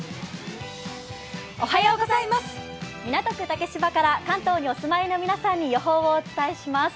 竹芝から関東にお住まいの皆さんに予報をお伝えします。